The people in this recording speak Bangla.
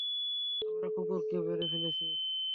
আমরা কুকুরকে মেরে ফেলেছি!